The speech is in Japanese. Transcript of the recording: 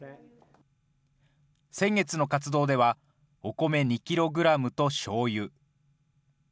先月の活動では、お米２キログラムとしょうゆ。